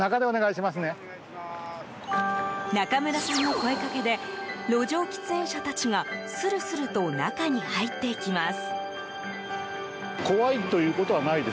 中村さんの声かけで路上喫煙者たちがするすると中に入っていきます。